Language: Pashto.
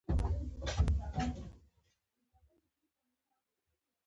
ایران د درناوي وړ دی.